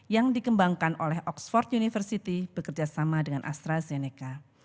yang dikembangkan oleh oxford university bekerjasama dengan astrazeneca